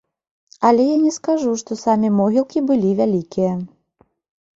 Але я не скажу што самі могілкі былі вялікія.